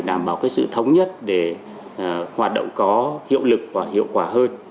đảm bảo cái sự thống nhất để hoạt động có hiệu lực và hiệu quả hơn